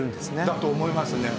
だと思いますね